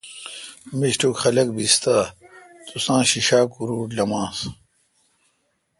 میݭٹوک۔ خلق بیس تہ، تساںݭیݭا کروٹ لمانس۔